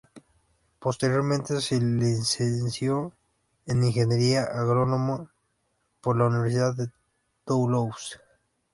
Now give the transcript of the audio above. Posteriormente se licenció en ingeniería agrónoma por la Universidad de Toulouse.